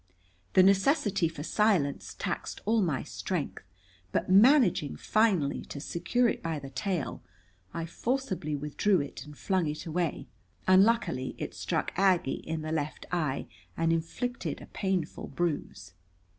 The necessity for silence taxed all my strength, but managing finally to secure it by the tail, I forcibly withdrew it and flung it away. Unluckily it struck Aggie in the left eye and inflicted a painful bruise.